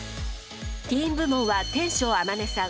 ティーン部門は天翔天音さん